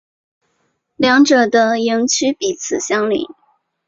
两者的营区彼此相邻。